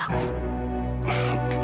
gak usah non